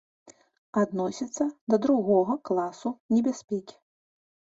Адносіцца да другога класу небяспекі.